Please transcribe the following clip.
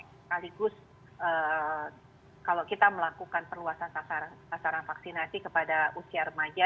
sekaligus kalau kita melakukan perluasan sasaran vaksinasi kepada usia remaja